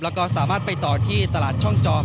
แล้วก็สามารถไปต่อที่ตลาดช่องจอม